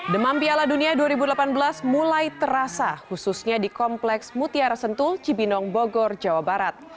demam piala dunia dua ribu delapan belas mulai terasa khususnya di kompleks mutiara sentul cibinong bogor jawa barat